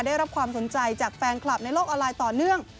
ได้รับความสนใจจากแฟนคลับในโลกออนไลน์ต่อเนื่อง